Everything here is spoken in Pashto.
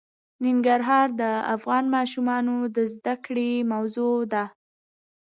ننګرهار د افغان ماشومانو د زده کړې موضوع ده.